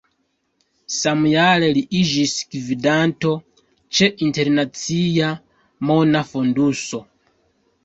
Samjare li iĝis gvidanto ĉe Internacia Mona Fonduso.